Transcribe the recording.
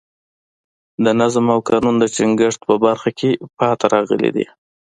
د نظم او قانون د ټینګښت په برخه کې پاتې راغلي دي.